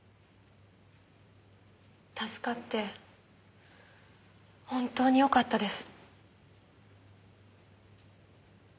助かって本当によかったです。